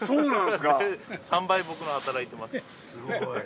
すごい。